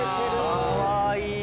かわいい！